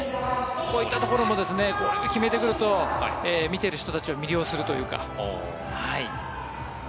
こういったところもこう決めてくると見ている人たちを魅了するというか。